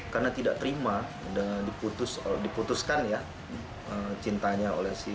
karena tidak terima dan diputuskan ya